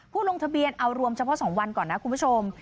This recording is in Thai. ลงทะเบียนเอารวมเฉพาะ๒วันก่อนนะคุณผู้ชม